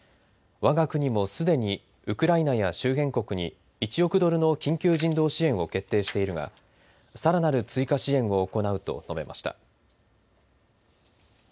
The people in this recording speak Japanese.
わが国もすでにウクライナや周辺国に１億ドルの緊急人道支援を決定しているがさらなる追加支援を行うと述べました。